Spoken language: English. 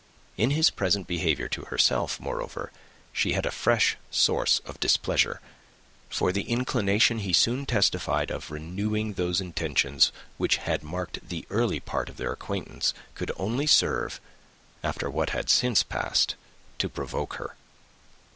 In his present behaviour to herself, moreover, she had a fresh source of displeasure; for the inclination he soon testified of renewing those attentions which had marked the early part of their acquaintance could only serve, after what had since passed, to provoke her.